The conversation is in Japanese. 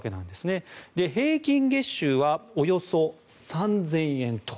平均月収はおよそ３０００円と。